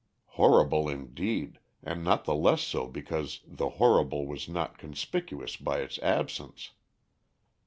Horrible indeed, and not the less so because the horrible was not conspicuous by its absence.